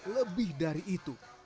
lebih dari itu